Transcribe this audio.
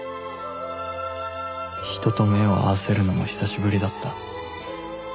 人と目を合わせるのも久しぶりだった